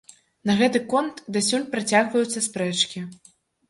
На гэты конт дасюль працягваюцца спрэчкі.